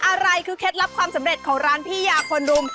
อะไรคือเคล็ดลับความสำเร็จของร้านพี่ยาคนรุม